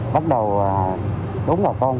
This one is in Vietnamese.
bắt đầu đống bà con